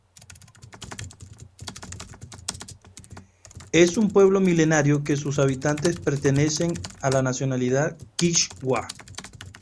Es un pueblo milenario que sus habitantes pertenecen a la nacionalidad kichwa.